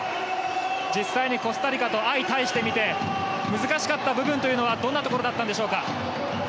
実際にコスタリカと相対してみて難しかった部分というのはどんなところだったんでしょうか？